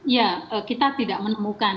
ya kita tidak menemukan